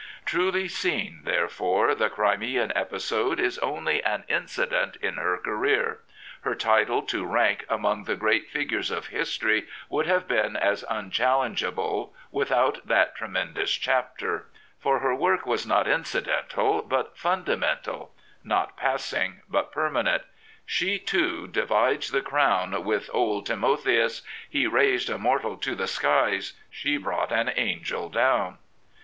Truly seen, therefore, the Crimean episode is only an incident in her career. Her title to rank among the great figures of history would have been as unchallengeable without that tremendous chapter. 119 Prophets, Priests, and Kings For her work was not incidental, but fundamental; not passing, but permanent. She, too, divides the crown with Old Timotheus "— He raised a mortal to the skies, She brought an angel down.